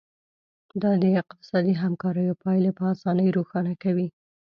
دا د اقتصادي همکاریو پایلې په اسانۍ روښانه کوي